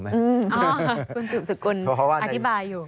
คุณสุขคุณอธิบายอยู่